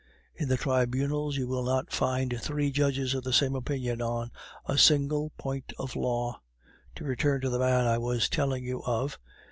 In the Tribunals you will not find three judges of the same opinion on a single point of law. To return to the man I was telling you of.